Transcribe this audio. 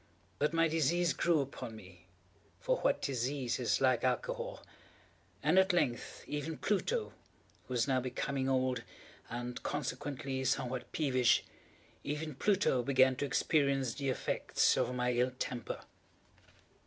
But my disease grew upon me—for what disease is like Alcohol!—and at length even Pluto, who was now becoming old, and consequently somewhat peevish—even Pluto began to experience the effects of my ill temper.